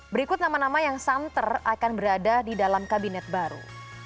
berikut nama nama yang santer akan berada di dalam kabinet baru